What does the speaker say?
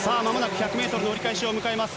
１００ｍの折り返しを迎えます。